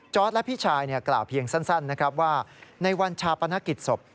จอร์ดและพี่ชายกล่าวเพียงสั้นว่าในวันชาปนกิจศพ